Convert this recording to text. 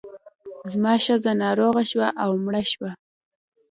زما ښځه ناروغه شوه او مړه شوه.